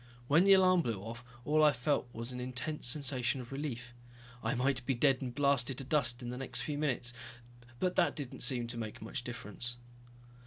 When the alarm blew off, all I felt was an intense sensation of relief. I might be dead and blasted to dust in the next few minutes, but that didn't seem to make much difference.